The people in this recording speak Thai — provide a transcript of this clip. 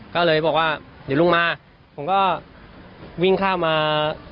ก็เลยบอกว่าเดี๋ยวลุงมาผมก็วิ่งเข้ามา